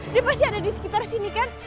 dia pasti ada di sekitar sini kan